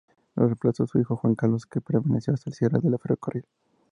Lo reemplazó su hijo Juan Carlos, que permaneció hasta el cierre del ferrocarril.